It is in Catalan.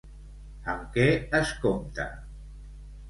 Amb què es compta?